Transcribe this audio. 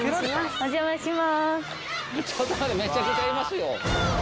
お邪魔します。